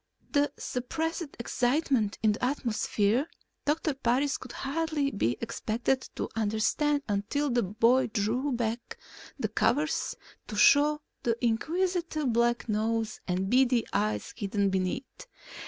The suppressed excitement in the atmosphere Doctor Parris could hardly be expected to understand until the boy drew back the covers to show the inquisitive black nose and beady eyes hidden beneath.